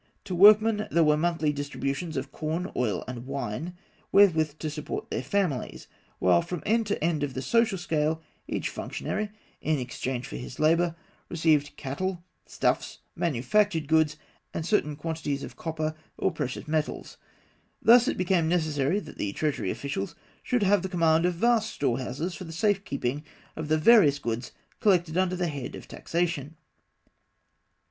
To workmen, there were monthly distributions of corn, oil, and wine, wherewith to support their families; while from end to end of the social scale, each functionary, in exchange for his labour, received cattle, stuffs, manufactured goods, and certain quantities of copper or precious metals. Thus it became necessary that the treasury officials should have the command of vast storehouses for the safe keeping of the various goods collected under the head of taxation.